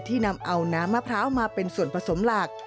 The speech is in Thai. นำเอาน้ำมะพร้าวมาเป็นส่วนผสมหลัก